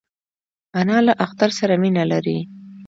انا له اختر سره مینه لري